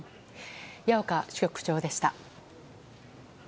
矢岡支局長でした。